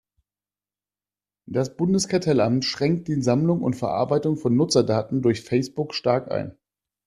Das Bundeskartellamt schränkt die Sammlung und Verarbeitung von Nutzerdaten durch Facebook stark ein.